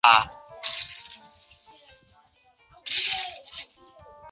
次年被任命为果芒经院堪布。